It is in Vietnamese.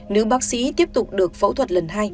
nữ bác sĩ tiếp tục được phẫu thuật lần hai